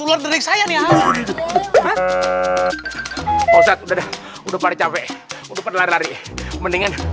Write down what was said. ular delik saya nih ustadz udah udah pada capek udah pada lari lari mendingan